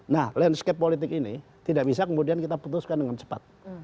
nah landscape politik ini tidak bisa kemudian kita putuskan dengan cepat